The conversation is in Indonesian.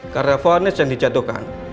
karena vonis yang dijatuhkan